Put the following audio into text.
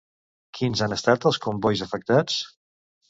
Quins han estat els combois afectats?